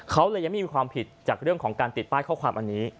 เขาเลยยังไม่มีความผิดจากเรื่องของการติดป้ายข้อความอันนี้